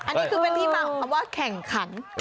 อันนี้คือเป็นที่มาของคำว่าแข่งขัน